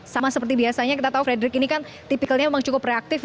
sama seperti biasanya kita tahu frederick ini kan tipikalnya memang cukup reaktif